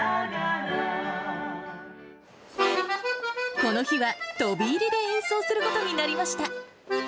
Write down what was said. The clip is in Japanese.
この日は飛び入りで演奏することになりました。